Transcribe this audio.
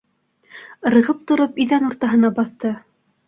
Ырғып тороп иҙән уртаһына баҫты.